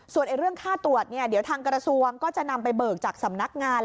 ส่วนเรื่องค่าตรวจเนี่ยเดี๋ยวทางกระทรวงก็จะนำไปเบิกจากสำนักงาน